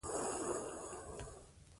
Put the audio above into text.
زما پوستکی وچ شوی دی